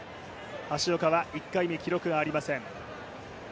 橋岡は１回目、記録ありません。